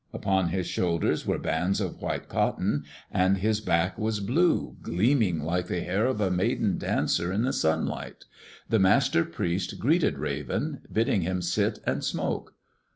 Upon his shoulders were bands of white cotton, and his back was blue, gleaming like the hair of a maiden dancer in the sunlight. The Master Priest greeted Raven, bidding him sit and smoke.